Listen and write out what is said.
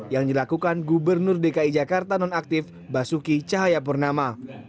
yang dilakukan gubernur dki jakarta nonaktif basuki cahayapurnama